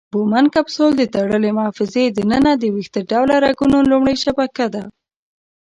بومن کپسول د تړلې محفظې د ننه د ویښته ډوله رګونو لومړۍ شبکه ده.